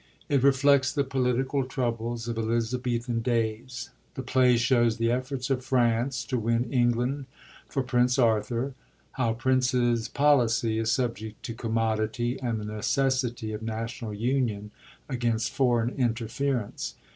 It reflects the political troubles of Eliza bethan days. The play shows the efforts of France to win England for Prince Arthur, how princes' policy is subject to 'commodity,' and the necessity of national union against foreign interference.